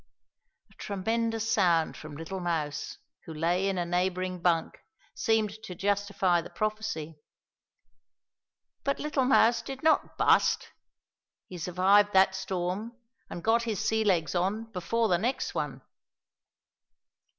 A tremendous sound from little Mouse, who lay in a neighbouring bunk, seemed to justify the prophecy. But little Mouse did not "bust." He survived that storm, and got his sea legs on before the next one.